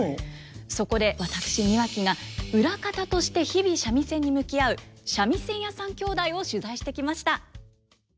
そこで私庭木が裏方として日々三味線に向き合う三味線屋さん兄弟を取材してきました。